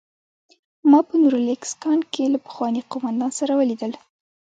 ما په نوریلیسک کان کې له پخواني قومندان سره ولیدل